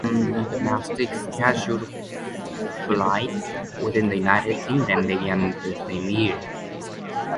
Domestic scheduled flights within the United Kingdom began the same year.